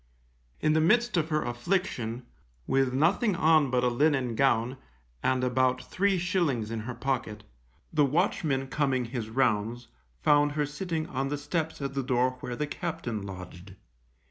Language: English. In the midst of her affliction, with nothing on but a linen gown, and about three shillings in her pocket, the watchman coming his rounds, found her sitting on the steps at the door where the captain lodged.